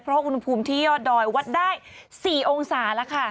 เพราะอุณหภูมิที่ยอดดอยวัดได้๔องศาแล้วค่ะ